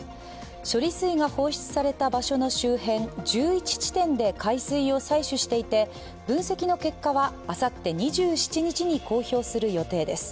処理水が放出され場所の周辺１１地点で海水を採取していて、分析の結果はあさって２７日に公表する予定です。